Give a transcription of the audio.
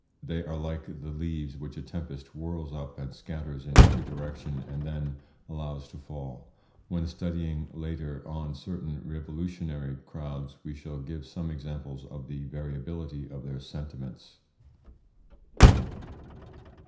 They are like the leaves which a tempest whirls up and scatters in every direction and then allows to fall. When studying later on certain revolutionary crowds we shall give some examples of the variability of their sentiments.